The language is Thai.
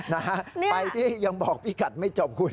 นะฮะไปที่ยังบอกพี่กัดไม่จบคุณ